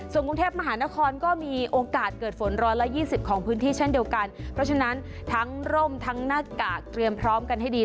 ส่วนกรุงเทพมหานครก็มีโอกาสเกิดฝนร้อยละยี่สิบของพื้นที่เช่นเดียวกันเพราะฉะนั้นทั้งร่มทั้งหน้ากากเตรียมพร้อมกันให้ดี